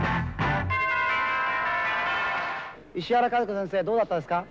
石原和子先生どうだったですか？